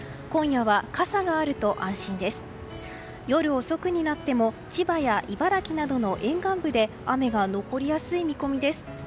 夜遅くになっても千葉や茨城などの沿岸部で雨が残りやすい見込みです。